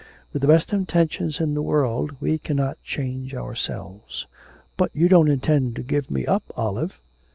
With the best intentions in the world we cannot change ourselves.' 'But you don't intend to give me up, Olive?'